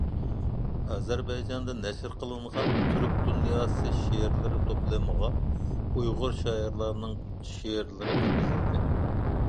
ئەزەربەيجاندا نەشر قىلىنغان «تۈرك دۇنياسى شېئىرلىرى توپلىمى»غا ئۇيغۇر شائىرلارنىڭ شېئىرلىرى كىرگۈزۈلدى.